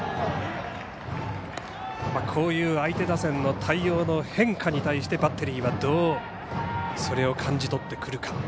こういう相手打線の対応の変化に対してバッテリーはどうそれを感じ取ってくるか。